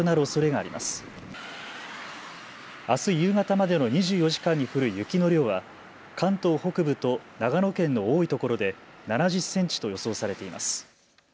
あす夕方までの２４時間に降る雪の量は関東北部と長野県の多いところで７０センチと予想されています。